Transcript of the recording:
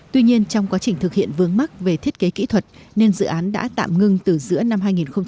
tuy nhiên trong quá trình thực hiện vướng mắc về thiết kế kỹ thuật nên dự án đã tạm ngưng từ giữa năm hai nghìn một mươi sáu